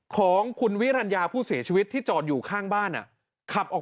ของคุณวิรัญญาผู้เสียชีวิตที่จอดอยู่ข้างบ้านขับออก